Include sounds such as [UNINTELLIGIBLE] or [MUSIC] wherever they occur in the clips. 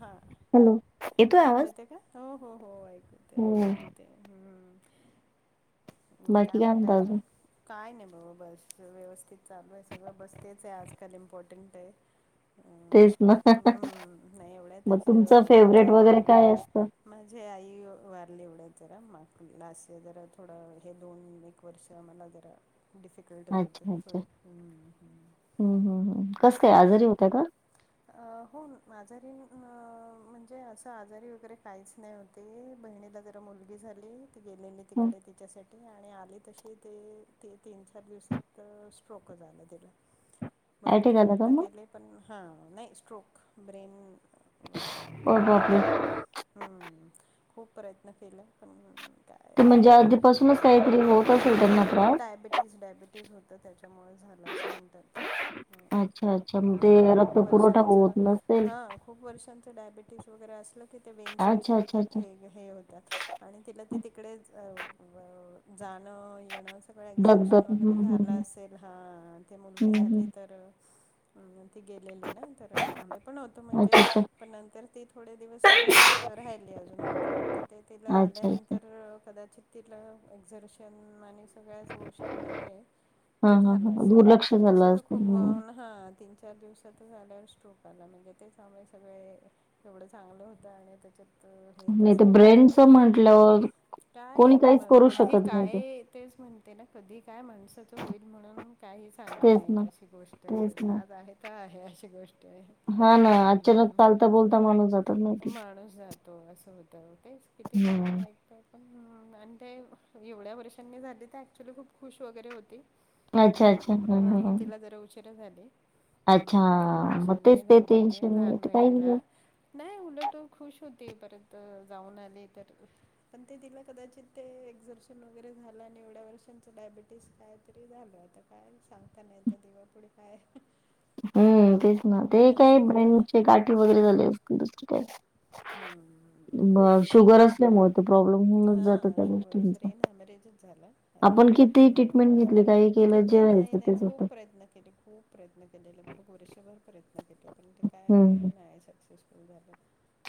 हा hello hello येतोय ऐकू आवाज येते का हो हो हो ऐकू यत हो ऐकू येत. तय हम्. म काय म्हणताय अजून. काय नाही बाबा बस व्यवस्थित चालू आहे सगळं बसतेच आहे आजकाल इम्पॉर्टंट आहे. अं, तेच ना हम्म नाही मग एवढ्यातच तुमचं फेवरेट वगैरे काय असतं. माझे आई वारले एवढ्यात जरा मग लास्ट जरा थोडं. हे दोन एक वर्ष आम्हाला जरा डिफिकल्टच होते अच्छा अच्छा थोडे. हम्म. हम्म हम् कस काय हम्म. आजारी होतय का? अ हो आजारी म्हणजे असं आजारी वगैरे काहीच नाही होत. ते बहिणीला जरा मुलगी झाली ती गेलेली हं. तिकडे तिच्यासाठी आणि आली तशी ते ते तीन चार दिवसात स्ट्रोक झालं तिला. भरपूर अटॅक आला का प्रयत्न मग केले पण हां नाही स्ट्रोक ब्रेन हे [UNINTELLIGIBLE] हम्म खूप प्रयत्न केला पण- काय तर म्हणजे आधीपासूनच काहीतरी होत असेल त्यांना त्रास. डायबिटीस डायबिटी- होत त्याच्यामुळे झालं अस म्हणतात अच्छा अच्छा मग ते हा खूप रक्त पुरवठा वर्षांच हा- होत नसेल ह खूप वर्षांच डायबेटीस वगैरे असलं की ते वेन्स कसे अच्छा अच्छा होतात अच्छा हे. हे होतात आणि तिला ते तिकडे जाणं येणं- सगळ एक्झबिशन दगदग वगैरे हम्म झालं हम्म असेल हा ते मुलगी हम्म झाली हम्म तर- ती गेलेली ना तर आम्ही पण होतो अच्छा म्हणजे- अच्छा पण नंतर ती थोडे दिवस जात राहिली अजून महिनाभर तर ते तिला अच्छा अच्छा आल्यानंतर- तर कदाचित तिला एक्झिबिशन आणि सगळ्याच गोष्टीमुळे हा ते हा झालं हा असेल दुर्लक्ष तस झालं त असेल खूप म हं. हा तीन चार दिवस त्याच्यात झाल्यावर स्ट्रोक आला म्हणजे तेच्या मूळ सगळे एवढं चांगलं होतं आणि त्याच्यात हे नाही तर कसं ब्रेनच हे म्हंटल्यावर - काय मग कधी काय तेच म्हणते ना कधी काय माणसाचं होईल म्हणून काही सांगता तेच नाही ना अशी गोष्ट तेच बस ना आज आहे तर आहे अशी गोष्ट- आहे. हा ना अचानक चालता बोलता माणूस माहिती माणूस जातो असं होतं तेच किती काय हम्म. काय ऐक- पण आणि ते एवढ्या वर्षांनी झाले ते ऍक्च्युली खूप खुश वगैरे होती. अच्छा हम अच्छा हं हा हं हं. तिला जरा उशीर झाले. अच्छा हम्म नऊ मग तेच वर्षांनी ते झाली होती टेन्शन लहान ते काही बहिणीला- नाही उलट खुश होते परत जाऊन आले तर - पण ते तिला कदाचित ते एक्झर्शन वगैरे झालं आणि एवढ्या वर्षांच डायबिटीस कायतरी झालं आता. काय सांगता नाही तर देवा पुुढे काय हम्म तेच ना ते काय असं आहे ते ब्रेनचे गाठी वगैरे झाले असतील दुसर काय? हम्म शुगर हम्म. असल्यामुळे तर प्रॉब्लेम होऊनच जात हां त्या शुगर गोष्टींचा. ब्रेन हॅमरेजच झाला आपण ॲक्च्युली किती हां. ट्रीटमेंट घेतली काही केलं किती जे नाही व्हायच नाही तेच खूप होत. प्रयत्न केले खूप प्रयत्न केलेले ब वर्षभर प्रयत्न केले पण ते काय हम्म नाही सक्सेसफुल झालं.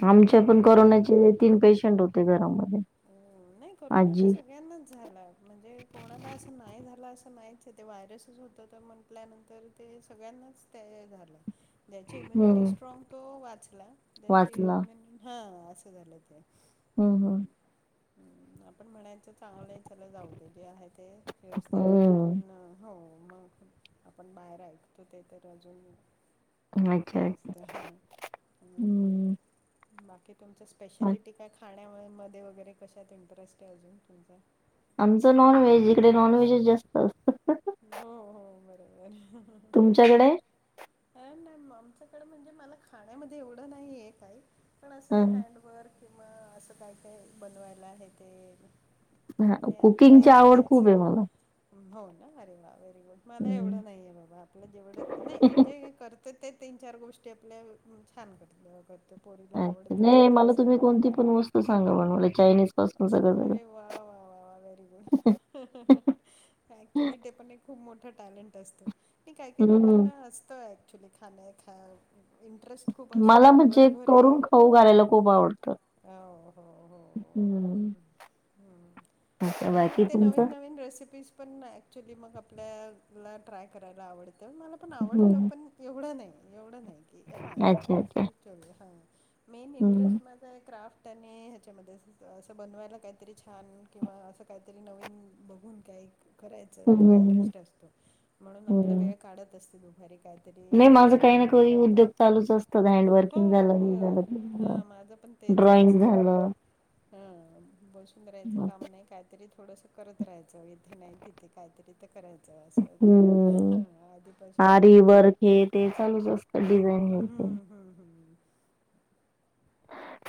आमच्या हम्म पण ते करोनाचे तीन पेशंट होते घरामध्ये आजी सगळ्या ना झालां. म्हणजे कोणाला असं नाही झालं असं नाहीच ते व्हायरसच होतं तर म्हटल्यानंतर ते सगळ्यांनाच ते झालं ज्याची इम्युनिटी हम्म स्ट्रॉंग तो वाचला त्याची वाचला हा असं झालं तर, हम्म ह आपण म्हणायचं चांगलं चला जाऊ देले आहे ते व्यवस्थित आहे हम्म कारण हो मग आपण बाहेर ऐकतो ते तर अजून हम्म अच्छा हे असतं. हम्म बाकी तुमचं स्पेशालिटी काय खाण्यामध्ये वगैरे कशात इंटरेस्ट आहे अजून तुमचा? आमचं नॉनव्हेज इकडे नॉनव्हेजच जास्त असतं. हो हो बरोबर. तुमच्याकडे? ह मॅ आमच्याकडं म्हणजे मला खाण्यामध्ये एवढं नाही आहे काय. पण असं हँडवर्क किंवा असं काय काय बनवायला हे ते ह मी आता कुकिंगची तेच आवड तेच खूप हे मला. हो ना अरे वा व्हेरी गुड मला हम्म. एवढं नाहीये बाबा आपलं जेवढं नाही पण जे करत तर ते तीन चार गोष्टी आपल्या छान करत करतो पोरीला आवडतं असं हां तू सांग बनवलय चायनीज पासून सगळं [INAUDIBLE] वा वा वा वा वा वेरी गुड हा हा हा ऍक्च्युली ते पण एक खूप मोठं टॅलेंट असतं काय काही हम्म लोकांना असतं ऍक्च्युली खाणे खा इंटरेस्ट. खूप असतो मला म्हणजे करून दिवसभरही खाऊ घालायला खूप आवडतं. हो हो हो हम्म हम्म. अच्छा आणि मग बाकी ते तुमचं नवीन नवीन रेसिपीज पण ना ॲक्च्युली मग आपल्याला ट्राय करायला आवडतं मला पण आवडतं. हम्म. पण एवढं नाही एवढं नाही की हा अच्छा अच्छा हा मेन हम्म. इंटरेस्ट म क्राफ्ट आणि ह्याच्यामध्ये असंच. असं बनवायला काहीतरी छान किंवा असं काहीतरी नवीन बघून काय करायच हम्म, तो हम्म, इंटरेस्ट असतो म्हणून आपला हम्म. वेळ काढत असते दुपारी. काहीतरी नाही माझं काही हे ना काही करून उद्योग चालूच असतात हँड वर्किंग हो झालं हो हे झालं ते झालं हा माझं पण तेच आहे ड्रॉइंग असं झालं ह बसून राहायचं काम नाही काय. तरी थोडसं करत राहायचं इथे नाही तिथे काहीतरी करायचं असं टाईप हम्म हा आधीपासुनच आरी होत. वर्क हे ते चालूच असतं डिझाईन हे ते. हम्म हम् हम्म.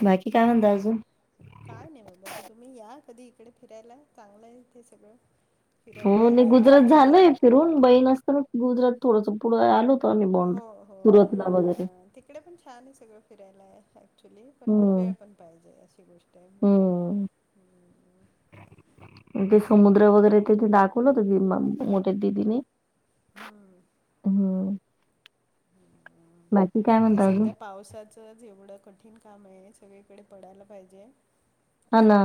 बाकी काय म्हणताय अजून? काय नाही बा बा तुम्ही या कधी इकडे फिरायला चांगलं आहे इथे सगळं. हो फिरायला या नाही गुजरात झालय कधीतरी. फिरून बहीण असताना गुजरात थोडंस पुढं आलो होतो आम्ही बॉन्डर सुरतला वगैरे. इकडे पण छान आहे सगळं फिरायला हे. क्च्युली पण वेळ हम्म पण पाहिजे अशी गोष्ट आहे हम. हम्म. ते समुद्र वगैरे ते ते दाखवलं होत क मोठ्या दिदीने. हा हम् बाकी काय म्हणत अजून? त्याचंच एवढं कठीण काम आहे सगळीकडे पडायला पाहिजे हा तसा ना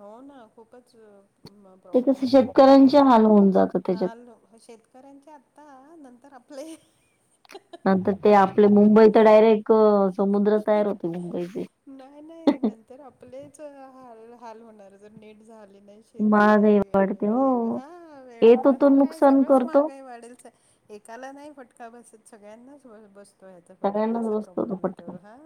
हो ना खूपच म ते प्रॉब्लेम कसं झाले ते एक तर शेतकऱ्यांचे ते हाल होऊन जातात हा त्याच्यात. अलो शेतकऱ्यांच्या आत आता नंतर आपले नंतर ते आपले मुंबई तर डायरेक्ट समुद्र तयार होते मुंबईचे. नाही नाही नंतर आपलेच हाल हाल होणार जर नीट झाली नाही. शेती महागाई वाढते वेळी हो. हा वेळ येतो मग तो ते काय नुकसान सगळंच करतो महागाई वाढेलच आहे. एकाला नाही फटका बसत सगळ्यांनाच ब बसत तो याचा फटका सगळ्यांनाच असा बसतो तो प्रॉब्लेम येतो पटकन. हा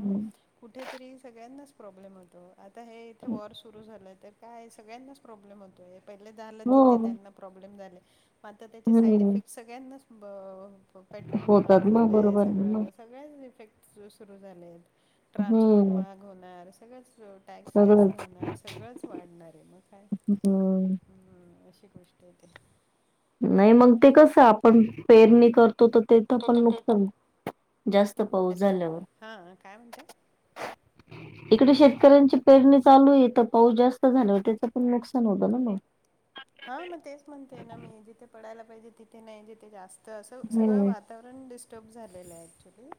मग कुठेतरी सगळ्यांनाच प्रॉब्लेम होतो आता हे इथे वॉर सुरू झालं तर काय सगळ्यांनाच प्रॉब्लेम होतो पहिले झालं हो. तिथे त्यांना प्रॉब्लेम झाले. मात्र त्याचे साईड हम्म. इफेक्ट सगळ्यांनाच ब पेट्रोल महाग होतात मग झालंय बरोबर आहे मग. सगळं सगळे्याच इफेक्ट सुरू झाले आहेत ट्रान्सपोर्ट हम्म. महाग होणार सगळंच टॅक्स जास्त सगळंच. होणार सगळंच वाढणार आहे मग काय हम्म. ह अशी गोष्ट आहेते नाही मग ते कसं आपण पेरणी करत तो तर तेथं ते पण तर ते नुकसान जास्त पाऊस हॅलो झाल्यावर. हां काय [INAUDIBLE] इकडे शेतकऱ्यांची पेरणी चालू ये तर पाऊस जास्त झालावर त्याचं पण नुकसान होत ना मग. [INAUDIBLE] हा मग तेच म्हणते ना मी जिथे पडायला पाहिजे तिथे नाही जिथे जास्त असं सगळं हम्म. वा वातावरण डिस्टर्ब झालेलं ॲक्च्युली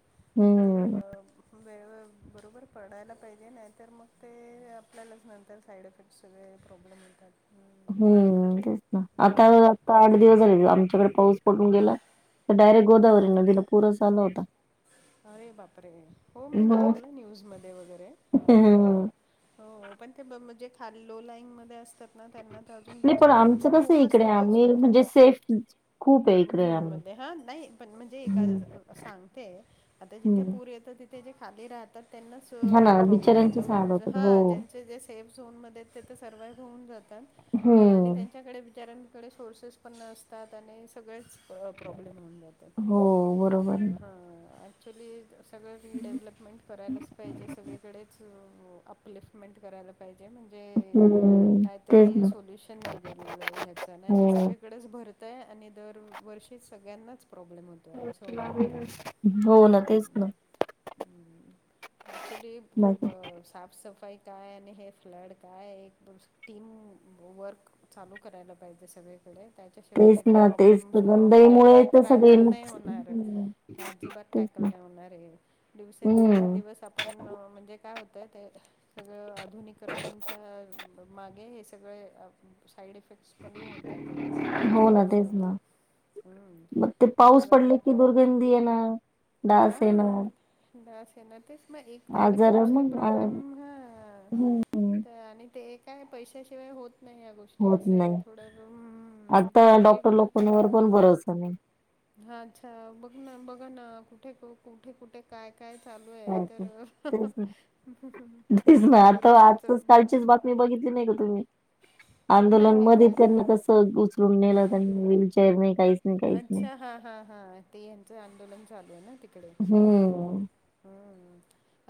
त ते ब हम्म. वेळवर बरोबर पडायला पाहिजे नायतर मग ते आपल्यालाच नंतर साईड इफेक्ट सगळे प्रॉब्लेम येतात. हूं हम्म तेच ना आता आता आठ दिवस झाले आमच्याकडे पाऊस पडून गेला तर डायरेक्ट गोदावरी नदीला पूरचं आला होता. अरे बाप रे! हो मी मग मायकला न्यूज मध्ये वगैरे हं हो पण ते ब म्हणजे खाल लो लाईनमध्ये असतात ना त्यांना अजून नाही पण बिचारी म्हणजे आमचं कसं आहे खूपच इकडे त्रास आम्ही होतो म्हणजे सेफ खूप आहे इकडे झोन आम्ही. मध्ये हा नाही पण म्हणजे एका हम्म. असं सांगते आता जिथे हम्म पूर येतो तिथे जे खाली राहतात त्यांनाच अ हा ना खूप प्रॉब्लेम होतो बिचाऱ्यांचेच हाल वरचं होतात हो हा ज्यांचे जस सेफ झोनमध्ये ते तर सर्वाइव्ह होऊन जातात पण आणि हम्म. त्यांच्याकडे बिचाऱ्यान इकडे सोर्सेस पण नसतात आणि सगळेच प्र प्रॉब्लेम होऊन जातात हो हा बरोबर आहे हा ॲक्च्युली असं सगळं ही डेव्हलपमेंट करायलाच पाहिजे सगळीकडेच अ अपलिसमेंट करायला पाहिजे म्हण ते हम्म तेच कायतरी ना सोल्युशन निघेल ह्याच नाय त हो. सगळे इकडच भरतय आणि दरवर्षी सगळ्यांनाच प्रॉब्लेम होतोय असं होऊन जातं ते हो ना हूं तेच ना हूं ॲक्चुली बाकी ब साफ सफाई काय आणि हे फ्लड काय एक दो टीम वर्क चालू करायला पाहिजे सगळे कडे त्याच्याशिवाय तेच हे ना तेच प्रोब्लेम तर छोटे गंधाईमुळे नाययेत तर सगळे रॅकल नाही नुकस- होणार हम्म आजिबात तेच रॅकल ना नाय होणारे हे दिवसेंदिवस हम्म दिवस आपण म्हणजे काय होतय ते सगळं आधुनिकरणच्या मागे हे सगळे अ साईड इफेक्ट निष्पण होतात हो ऍक्च्युली ना असं तेच होतय ना ते सगळं बंदी ये ना असेन बस ये ना तेच मग एक झालं की दुसरे मग आ- प्रॉब्लेम हां हम्म त आणि ते एक हाय पैशाशिवाय होत नाही या गोष्ट गोष्टी होत असं नाही. आहे थोड्या हम्म आता त डॉक्टर सगळीकड लोकांवर पण भरोसा नाही हा अच्छा बघ ना बघा ना कुठे क कुठे कुठ काय काय चालू हाय तर सारखं तेच ना भरोश्याच ब मी बघितली नाय का तुम्ही हो नाही आंदोलन नाही मध्ये काय नाही त्यांनी कस उच लुण नेल त्यांनी व्हीलचेअर नाही काहीचं अच्छा हा हा हा ते यांचं आंदोलन चालू आहे ना तिकडे हम्म हां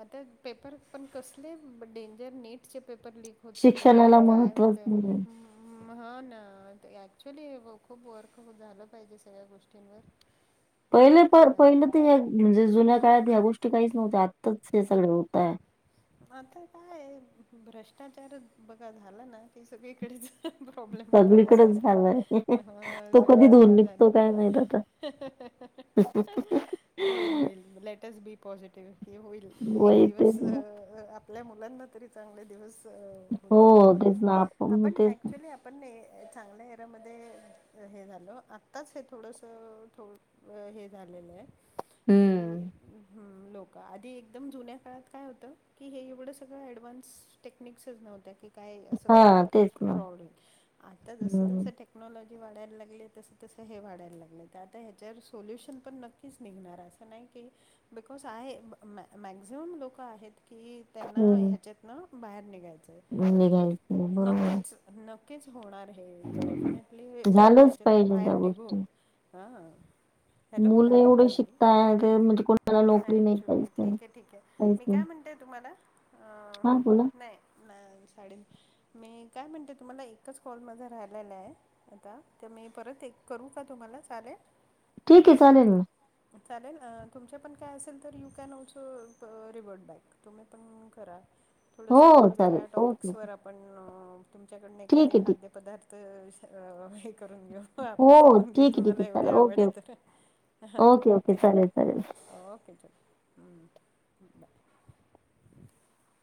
आता पेपर पण कसले डेंजर नीटचे पेपर लिक होतात ये शिक्षणाला काय महत्त्वच होतंय नाही मं मं हा ना ऍक्च्युली खूप वर्क झालं पाहिजे सगळ्या गोष्टींवर पहिले काय पार करणार पहिलं आता तर म्हणजे जुन्या काळात ह्या गोष्टी काहीच नव्हत्या आत्ताच हे सगळ होताय. आता काय ये भ्रष्टाचार चं बघा झाला ना की सगळीकडेचं प्रॉब्लेम होतो असंय सगळीकडेच ते झालंय हं तो कधी धुऊन सगळीकडेच झालं निघतो काय माहित आता होईल होईल लेटअस बी पॉझिटिव्ह ते होईल एक वय दिवस तेच अ ना आपल्या मुलांना तरी चांगले दिवस अ हो होतेत तेच बघायला ना आपण तेच ना. ऍक्यचुली आप पण नई अ चांगल हेरा मध्ये हे झालं आत्ताच हे थोडंसं थोड अ हे झालेलं हाय की हम्म हूं लोक आधी एकदम जुन्या काळात काय होतं की हे एवढं सगळं ऍडव्हान्स टेक्निक्सच नव्हत्या की काय असं हा काही तेच ना प्रॉवडिंग आता जसं तुमच हम्म टेक टेक्नॉलॉजी वाढायला लागली तसं तसं हे वाढयला लागलय त आता ह्याच्यावर सोल्युशन पण नक्क क्कीच निघणार हाय असं नाय की बिकॉज आहे मं मॅ मॅ मॅक्झिमम लोकं क आहेत की त्यांना हम्म ह्याच्यातनं बाहेर निघायचंय तर निघायचं बरोबर नक्कीच नक्कीच होणार हे डेफिनेटली झालंच त्याच्यातनं पाहिजे बाहेर त्या निघु गोष्टी हा हॅलो मुलं दहा मिनटं एवढं झाली शिकताय ते म्हणजे कोणाला नोकरी नाही हॲक्चुली काहीच आहे ठीक नाही आहे ठीक आहे काहीच मी नाही काय म्हणते आहे तुम्हाला हा बोला नाही ना साडी मी काय म्हणते तुम्हाला एच कॉलमध्ये राहिलेलं आहे आता तर मी परत एक करू का तुम्हाला चालेल ठीक आहे चालेल मी चालेल तुमचे पण काय असेल तर यू कॅन ऑल्सो ट तुम्ही पण करा थोडस हो चालेल वेग्या टॉपिक् ओके पण तुमच्याकडून एखादीे ठीक आहे ठीक खाद्यपदार्थ हे करून घेऊ हो आपण शिकून घेऊ ठीक तो आहे ठीक मला आहे एवढी चालेल आवड ओके ओके आहे तर ह ह ओके चल ओके च हम्म [UNINTELLIGIBLE]